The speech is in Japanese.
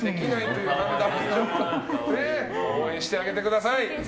応援してあげてください。